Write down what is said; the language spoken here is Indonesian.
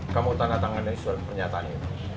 kamu tanda tangan isu pernyataan ini